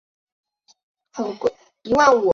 包括折叠的枪托。